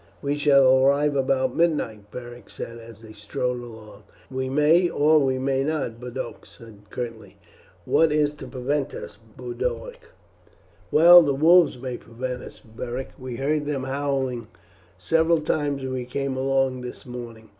"We shall arrive about midnight," Beric said as they strode along. "We may or we may not," Boduoc said curtly. "What is to prevent us, Boduoc?" "Well, the wolves may prevent us, Beric; we heard them howling several times as we came along this morning.